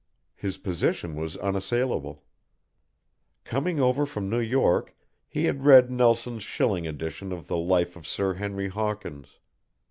His position was unassailable. Coming over from New York he had read Nelson's shilling edition of the Life of Sir Henry Hawkins.